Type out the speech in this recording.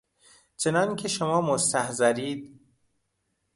چناکه شما مستحضرید...